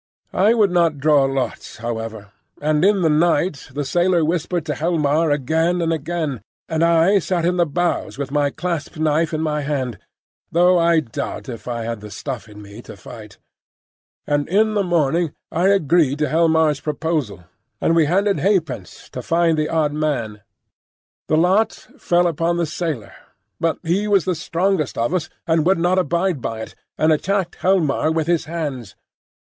I would not draw lots however, and in the night the sailor whispered to Helmar again and again, and I sat in the bows with my clasp knife in my hand, though I doubt if I had the stuff in me to fight; and in the morning I agreed to Helmar's proposal, and we handed halfpence to find the odd man. The lot fell upon the sailor; but he was the strongest of us and would not abide by it, and attacked Helmar with his hands.